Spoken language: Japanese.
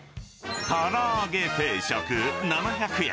唐揚げ定食７００円。